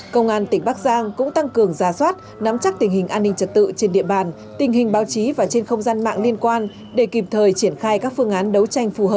công an tỉnh bắc giang cũng tăng cường ra soát nắm chắc tình hình an ninh trật tự trên địa bàn